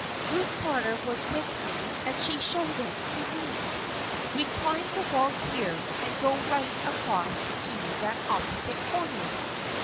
Ruth Carter was with me and she showed it to me. We climb the wall here and go right across to that opposite corner."